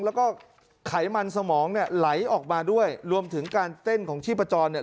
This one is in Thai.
แล้วก็ไขมันสมองเนี่ยไหลออกมาด้วยรวมถึงการเต้นของชีพจรเนี่ย